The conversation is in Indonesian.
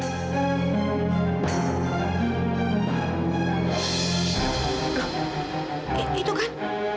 gah itu kan